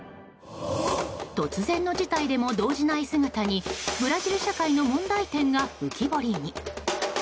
突然の事態でも動じない姿にブラジル社会の問題点が浮き彫りに。